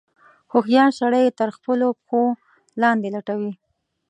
هوښیار سړی یې تر خپلو پښو لاندې لټوي.